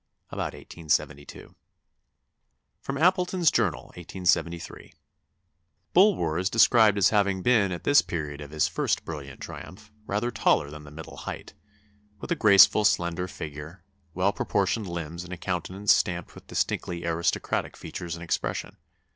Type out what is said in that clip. About 1872. [Sidenote: Appleton's Journal, 1873.] "Bulwer is described as having been, at this period of his first brilliant triumph, rather taller than the middle height, with a graceful, slender figure, well proportioned limbs, and a countenance stamped with distinctly aristocratic features and expression.